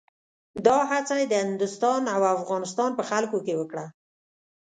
دا هڅه یې د هندوستان او افغانستان په خلکو کې وکړه.